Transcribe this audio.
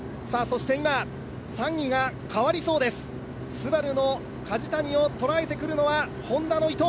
今、３位が変わりそうです、ＳＵＢＡＲＵの梶谷を捉えてくるのはＨｏｎｄａの伊藤。